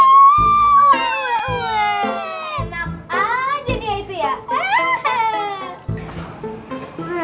enam aja dia itu ya